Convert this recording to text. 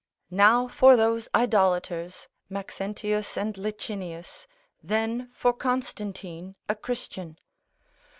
Now for those idolaters, Maxentius and Licinius, then for Constantine a Christian.